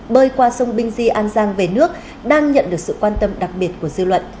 bơi qua sông binh di an giang về nước đang nhận được sự quan tâm đặc biệt của dư luận